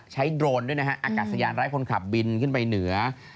โดรนด้วยนะฮะอากาศยานไร้คนขับบินขึ้นไปเหนือ